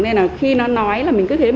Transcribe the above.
nên là khi nó nói là mình cứ thấy mình làm